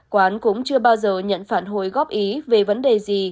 quán cũng chưa bao giờ nhận phản hồi góp ý về vấn đề gì